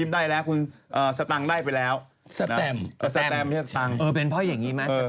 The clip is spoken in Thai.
ได้แล้วคุณเอ่อได้ไปแล้วเอ่อเป็นเพราะอย่างงี้มั้ย